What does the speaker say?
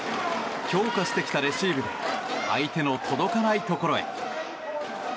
強化してきたレシーブで相手の届かないところへ。